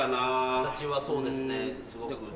形はそうですね。